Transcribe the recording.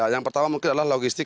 yang pertama mungkin adalah logistik